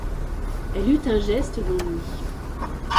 Elle eut un geste d'ennui.